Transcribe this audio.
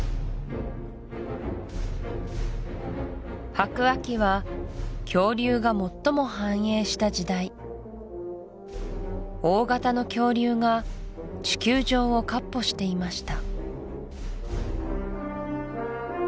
白亜紀は恐竜が最も繁栄した時代大型の恐竜が地球上をかっ歩していました